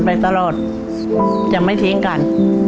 ไปตลอดจะไม่ทิ้งกัน